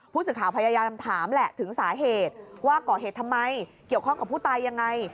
ผู้สื่อข่าวพยายามถามแหละถึงสาเหตุว่าก่อเหตุทำไมเกี่ยวข้องกับผู้ตายยังไง